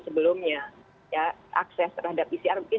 sebelumnya ya akses terhadap pcr mungkin